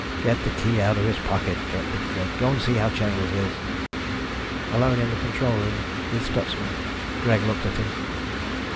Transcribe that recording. "Get the key out of his pocket," directed Greg. "Go and see how Chambers is." Alone in the control room with Stutsman, Greg looked at him.